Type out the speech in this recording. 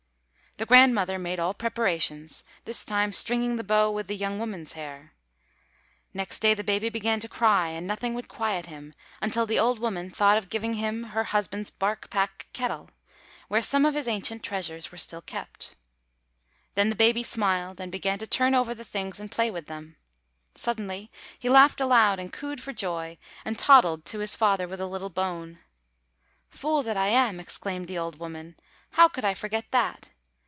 The grandmother made all preparations, this time stringing the bow with the young woman's hair. Next day the baby began to cry, and nothing would quiet him, until the old woman thought of giving him her husband's bark pack kettle, where some of his ancient treasures were still kept. Then the baby smiled, and began to turn over the things and play with them. Suddenly he laughed aloud and cooed for joy and toddled to his father with a little bone. "Fool that I am," exclaimed the old woman, "how could I forget that!